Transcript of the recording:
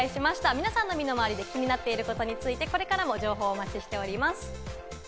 皆さんの身の回りで気になっていることについてこれからも情報をお待ちしております。